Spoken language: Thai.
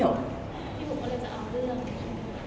พี่บุ๋มก็เลยจะเอาเรื่อง